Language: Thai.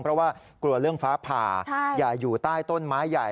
เพราะว่ากลัวเรื่องฟ้าผ่าอย่าอยู่ใต้ต้นไม้ใหญ่